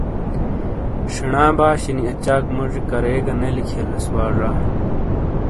شینا باشینی اچاک موجی کریگہ نے لکھیئلیس وا زا۔